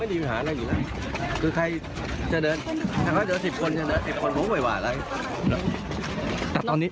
ไม่มีอิหารอะไรอยู่นะถ้าฝากเจอ๑๐คนเจอ๑๐คนผมเววาอะไร